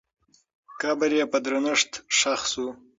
قبر یې په درنښت ښخ سو.